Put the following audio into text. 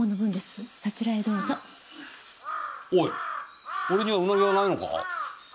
おい俺にはうなぎはないのか？